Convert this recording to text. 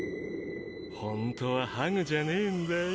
ホントはハグじゃねぇんだよ。